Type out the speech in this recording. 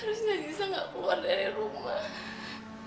harusnya zizan gak keluar dari rumah